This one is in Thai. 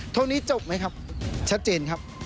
เท่านี้จบไหมครับชัดเจนครับ